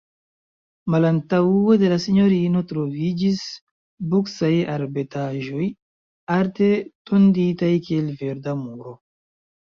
Malantaŭe de la sinjorino troviĝis buksaj arbetaĵoj, arte tonditaj kiel verda muro.